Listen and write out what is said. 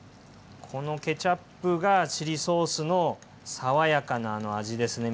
このケチャップがチリソースの爽やかなあの味ですね